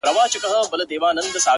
• هم خورما او هم ثواب ,